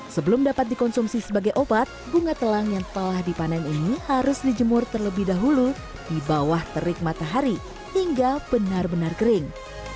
sebelum dapat dikonsumsi sebagai obat bunga telang yang telah dipanen ini harus dijemur terlebih dahulu di bawah terik matahari hingga benar benar kering